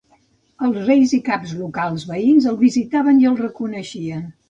Els reis i caps locals veïns el visitaven i el reconeixien.